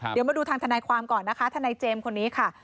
เดี๋ยวมาดูทางทนายความก่อนนะคะทนายเจมส์คนนี้ค่ะ